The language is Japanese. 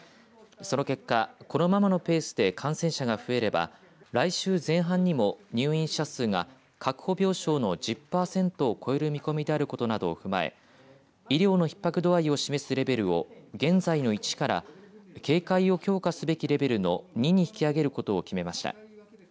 その結果、このままのペースで感染者が増えれば来週前半にも入院者数が確保病床の１０パーセントを超える見込みであることなどを踏まえ医療のひっ迫度合いを示すレベルを現在の１から警戒を強化すべきレベルの２に引き上げることを決めました。